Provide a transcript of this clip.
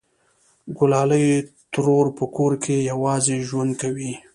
گلالۍ ترور په کور کې یوازې ژوند کوي